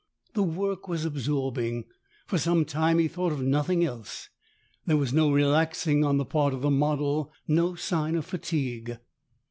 The work was absorbing. For some time he thought of nothing else. There was no relaxing on the part of the model no sign of fatigue.